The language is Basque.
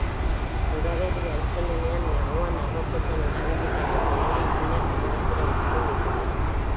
Udaberria heltzen denean, neguan arropetan erabilitako kolore ilunak alde batera uzten ditugu.